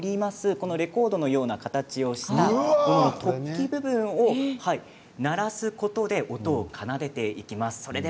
このレコードのような形をした突起部分を鳴らすことで音を奏でていきます。